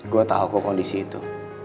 gue tahu kok kondisi itu